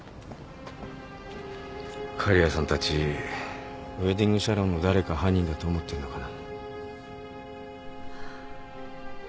狩矢さんたちウエディングシャロンの誰か犯人だと思ってるのかな？